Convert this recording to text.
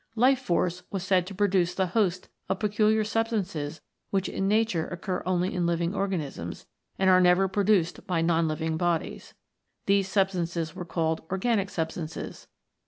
Life force was said to produce the host of peculiar substances which in Nature occur only in living organisms, and are never produced by non living bodies. These substances were called organic substances.